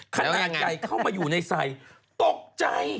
ขนาดใหญ่เข้ามาอยู่ในใส่ตกใจ